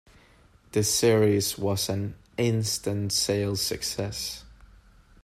The series was an instant sales success.